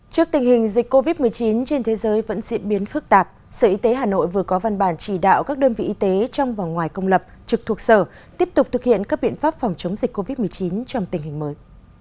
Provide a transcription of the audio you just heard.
trước tình hình dịch covid một mươi chín trên thế giới vẫn diễn biến phức tạp sở y tế hà nội vừa có văn bản chỉ đạo các đơn vị y tế trong và ngoài công lập trực thuộc sở tiếp tục thực hiện các biện pháp phòng chống dịch covid một mươi chín trong tình hình mới